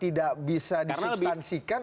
tidak bisa disubstansikan